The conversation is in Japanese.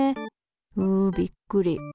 うびっくり。